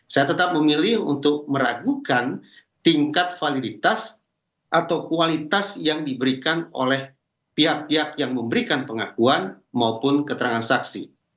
saya tetap memilih untuk meragukan tingkat validitas atau kualitas yang diberikan oleh pihak pihak yang memberikan pengakuan maupun keterangan saksi